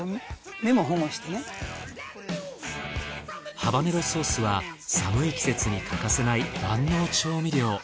ハバネロソースは寒い季節に欠かせない万能調味料。